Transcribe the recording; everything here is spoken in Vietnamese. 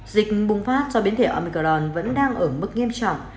dịch bùng phát do biến thể amicron vẫn đang ở mức nghiêm trọng